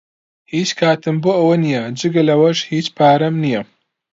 هیچ کاتم بۆ ئەوە نییە، جگە لەوەش، هیچ پارەم نییە.